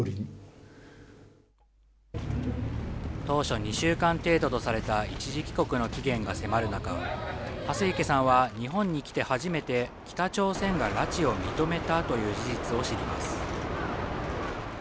当初２週間程度とされた一時帰国の期限が迫る中、蓮池さんは日本に来て初めて、北朝鮮が拉致を認めたという事実を知ります。